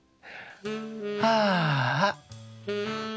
ああ。